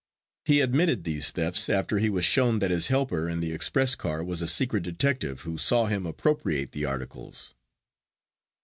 He admitted these thefts after he was shown that his helper in the express car was a secret detective, who saw him appropriate the articles.